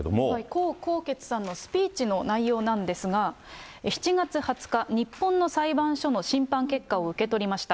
江宏傑さんのスピーチの内容なんですが、７月２０日、日本の裁判所の審判結果を受け取りました。